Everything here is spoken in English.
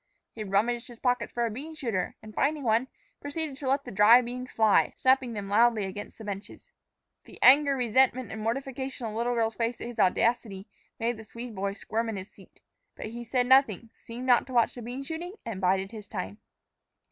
He rummaged his pockets for a bean shooter, and, finding one, proceeded to let the dry beans fly, snapping them loudly against the benches. The anger, resentment, and mortification on the little girl's face at his audacity made the Swede boy squirm in his seat. But he said nothing, seemed not to watch the bean shooting, and bided his time.